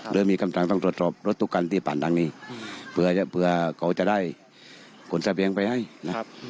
ต้องการรับทุกขั้นที่ผ่านทางนี้เผื่อเขาจะได้ผลเสพียังไปให้นะครับ